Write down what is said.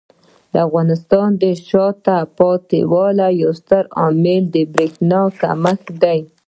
د افغانستان د شاته پاتې والي یو ستر عامل د برېښنا کمښت دی.